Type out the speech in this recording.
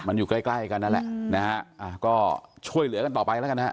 มันอยู่ใกล้ใกล้กันนั่นแหละนะฮะอ่าก็ช่วยเหลือกันต่อไปแล้วกันนะฮะ